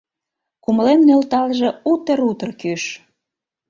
Кумылем нӧлталже утыр-утыр кӱш.